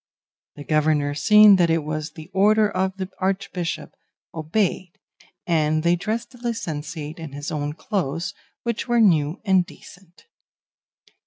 The governor, seeing that it was the order of the Archbishop, obeyed, and they dressed the licentiate in his own clothes, which were new and decent.